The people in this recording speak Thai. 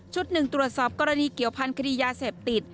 หนึ่งตรวจสอบกรณีเกี่ยวพันธ์คดียาเสพติด